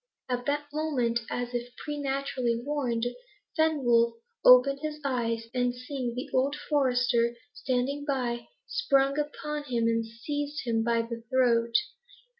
At that moment, as if preternaturally warned, Fenwolf opened his eyes, and seeing the old forester standing by, sprang upon him, and seized him by the throat.